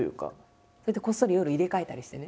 こっそり夜入れ替えたりしてね。